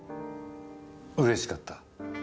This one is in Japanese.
うれしかった？